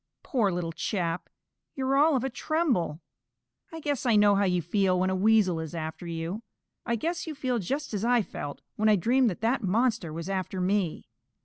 Poor little chap, you're all of a tremble. I guess I know how you feel when a Weasel is after you. I guess you feel just as I felt when I dreamed that that monster was after me.